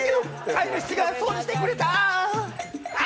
飼い主が掃除してくれた。